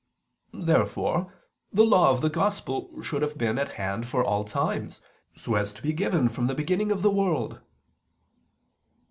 Therefore the Law of the Gospel should have been at hand for all times, so as to be given from the beginning of the world.